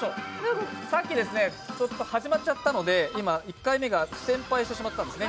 さっき始まっちゃったので１回目が不戦敗してしまったんですね。